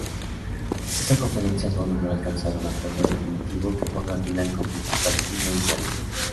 Esta conferencia no logró alcanzar un acuerdo definitivo que ponga fin al conflicto palestino-israelí.